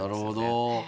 なるほど。